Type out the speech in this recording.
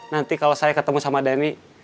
nanti kalau saya ketemu sama denny